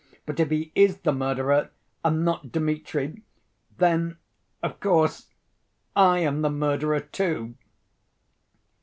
But if he is the murderer, and not Dmitri, then, of course, I am the murderer, too."